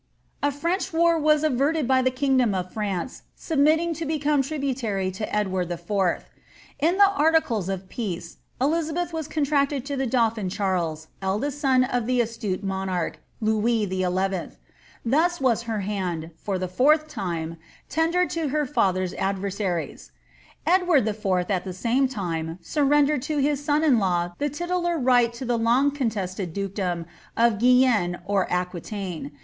A French war was averted by the kingdom of France submitting to become tributary to Edward IV. In the articles of peace, Elizabeth was contracted to the dauphin Charles, eldest son of the astute monarch, Louis XL; thus was her hand, for the fourth time, tendered to her father's idTersaries. Edward IV., at the same time, surrendered to his son in law the titular right to the long contested dukedom of Guienne or Aquitaine.